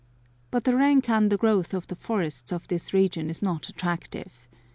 But the rank undergrowth of the forests of this region is not attractive.